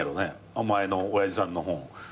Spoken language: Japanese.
お前の親父さんの本。